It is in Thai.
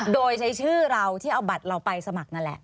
โดยใช้ชื่อเราที่เอาบัตรเราไปสมัครนั่นแหละ